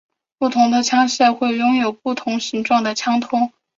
不同的枪械会拥有不同形状的枪托。